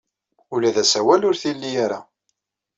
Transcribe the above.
Ula d asawal ur t-ili ara.